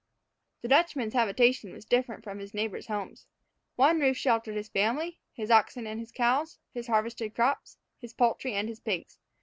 The Dutchman's habitation was different from his neighbors' homes. One roof sheltered his family, his oxen and his cows, his harvested crops, his poultry and his pigs.